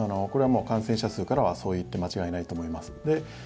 これはもう感染者数からはそう言って間違いないと思います